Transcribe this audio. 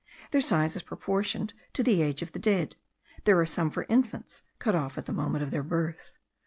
Their size is proportioned to the age of the dead; there are some for infants cut off at the moment of their birth.